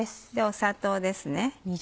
砂糖です。